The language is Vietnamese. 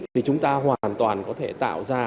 thì chúng ta hoàn toàn có thể tạo ra